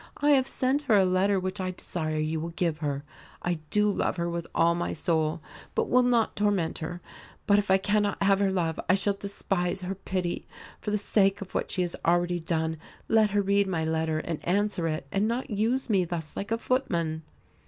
I have sent her a letter which I desire you will give her. I do love her with all my soul, but will not torment her; but if I cannot have her love I shall despise her pity. For the sake of what she has already done, let her read my letter and answer it, and not use me thus like a footman."